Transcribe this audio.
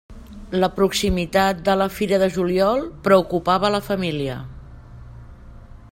La proximitat de la Fira de Juliol preocupava la família.